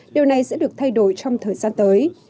điều này sẽ được thay đổi trong thời gian tới